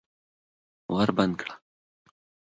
ور بند کړه!